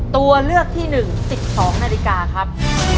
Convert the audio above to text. ตัวเลือกที่๑๑๒นาฬิกาครับ